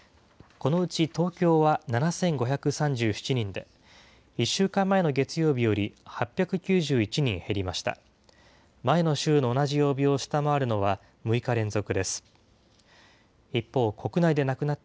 このうち東京は７５３７人で、１週間前の月曜日より８９１人減りました。